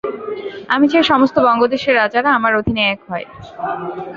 আমি চাই, সমস্ত বঙ্গদেশের রাজারা আমার অধীনে এক হয়।